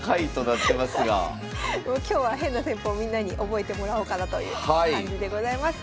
今日は変な戦法をみんなに覚えてもらおうかなという感じでございます。